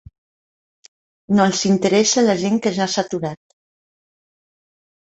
No els interessa la gent que ja s'ha aturat.